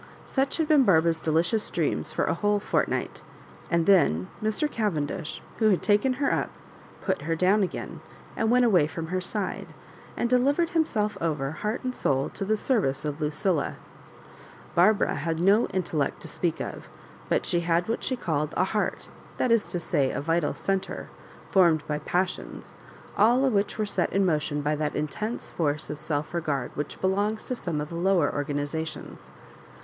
Such had been Biarfoa ra's delicious dreams for a whole fortnight ; and then Mr. Cavendish, who had taken her up, pijt Digitized by VjOOQIC loss MABJOBIBAlirKS. 41 Ker down again, and went away from her side, and delivered himself over, heart and soul, to the service of Lucilla. Barbara had no intellect to speak of, but she had what she called a heart — that is to say, a vital centre, formed by pas sions, all of which were set in motion by that intense force of self regard which belongs to some of the lower organisations.